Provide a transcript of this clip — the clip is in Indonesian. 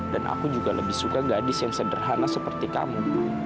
dan aku juga lebih suka gadis yang sederhana seperti kamu